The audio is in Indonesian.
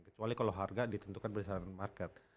kecuali kalau harga ditentukan berdasarkan market